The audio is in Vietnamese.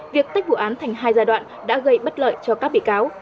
việc tách vụ án thành hai giai đoạn đã gây bất lợi cho các bị cáo